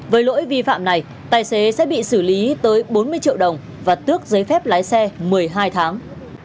với lỗi vi phạm này tài xế sẽ bị xử lý tới bốn mươi triệu đồng và tước giấy phép lái xe một mươi hai tháng